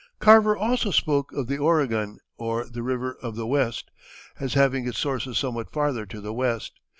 Carver also spoke of "the Oregon, or the River of the West," as having its sources somewhat farther to the west.